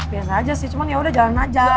biasa aja sih cuman ya udah jalan aja